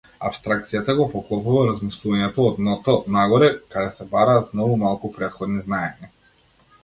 Апстракцијата го поклопува размислувањето од дното-нагоре каде се бараат многу малку претходни знаења.